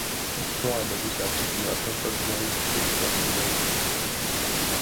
L'histoire est basée sur la configuration folklorique des trois souhaits à exaucer.